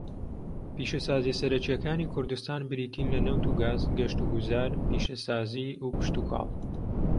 پیشەسازییە سەرەکییەکانی کوردستان بریتین لە نەوت و گاز، گەشتوگوزار، پیشەسازی، و کشتوکاڵ.